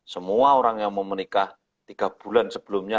semua orang yang mau menikah tiga bulan sebelumnya